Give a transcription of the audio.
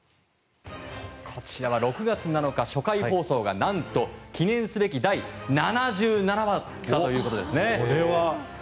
こちらは６月７日、初回放送が何と記念すべき第７７話ということです。